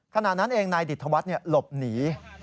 ขณะนั้นเองนายดิตธวัฒน์หลบหนี